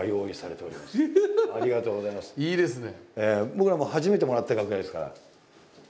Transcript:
僕らも初めてもらった楽屋ですから。